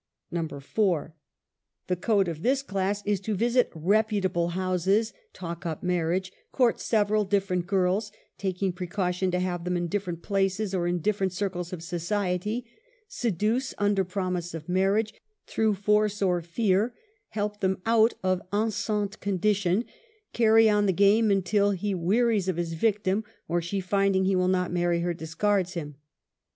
4. The code of this class is to visit reputable houses, talk up marriage, court several different girls, (tak ing precaution to have them in different places, or in different circles of society,) seduce under pro mise of marriage through force or fear, help them out of enceinte condition, carry on the game until he wearies of his victim, or she finding he will not marry discards him.